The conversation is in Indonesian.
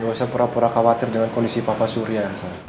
nggak usah pura pura khawatir dengan kondisi papa surya